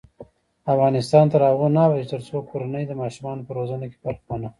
افغانستان تر هغو نه ابادیږي، ترڅو کورنۍ د ماشومانو په روزنه کې برخه وانخلي.